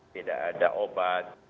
tidak ada obat